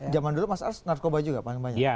zaman dulu mas ars narkoba juga paling banyak